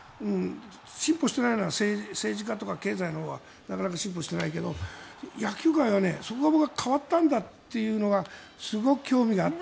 進歩してないのは、政治家とか経済のほうが進歩してないけど野球界は変わったんだということにすごく興味があって。